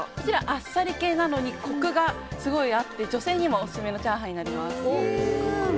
あっさり系なのにコクがすごいあって女性にもオススメのチャーハンになります。